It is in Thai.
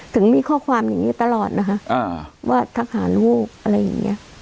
ถึงมีข้อความอย่างนี้ตลอดนะคะว่าทหารวูบอะไรอย่างนี้